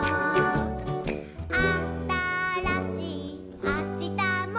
「あたらしいあしたも」